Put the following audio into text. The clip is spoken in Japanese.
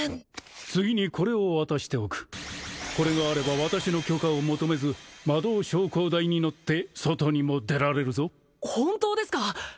次にこれを渡しておくこれがあれば私の許可を求めず魔導昇降台に乗って外にも出られるぞ本当ですか！